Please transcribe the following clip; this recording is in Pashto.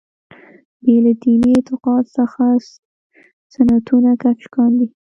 بې له دیني اعتقاد څخه سنتونه کشف کاندي.